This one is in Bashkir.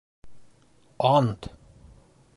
Ант!